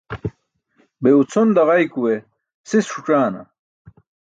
Be ucʰon daġaykuwe sis ṣuc̣aana?